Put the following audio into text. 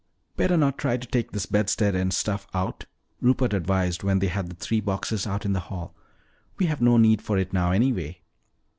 "Better not try to take this bedstead and stuff out," Rupert advised when they had the three boxes out in the hall. "We have no need for it now, anyway."